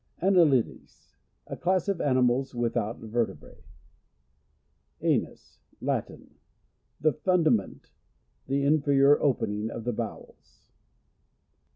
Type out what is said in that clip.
Annelides. — A class of animals with out vertebra?. Anus. — Latin. The fundament — the inferior opening of the bowels.